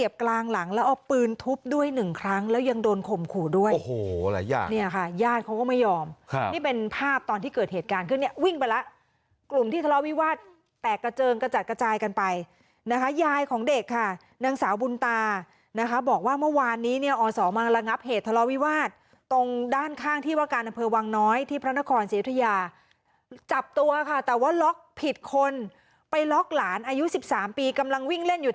ยาดเขาก็ไม่ยอมครับนี่เป็นภาพตอนที่เกิดเหตุการณ์คือเนี่ยวิ่งไปละกลุ่มที่ทะเลาวิวาสแตกกระเจิงกระจัดกระจายกันไปนะคะยายของเด็กค่ะนางสาวบุญตานะคะบอกว่าเมื่อวานนี้เนี่ยออสอมมาระงับเหตุทะเลาวิวาสตรงด้านข้างที่ว่าการอเภอวังน้อยที่พระนครเสียอยุธยาจับตัวค่ะแต่ว่าล็อกผิดคนไปล็อกหลานอายุ